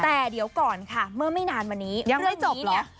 แต่เดี๋ยวก่อนค่ะเมื่อไม่นานวันนี้ยังไม่จบเหรอเรื่องนี้เนี้ย